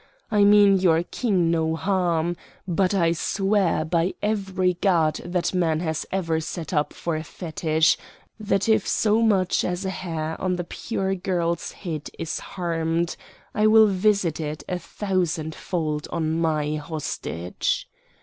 I mean your King no harm; but I swear by every god that man has ever set up for a fetich that if so much as a hair of the pure girl's head is harmed I will visit it a thousandfold on my hostage.